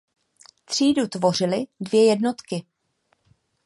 Třídu tvořily dvě jednotky.